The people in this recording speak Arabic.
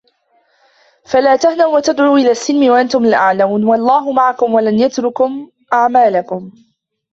فلا تهنوا وتدعوا إلى السلم وأنتم الأعلون والله معكم ولن يتركم أعمالكم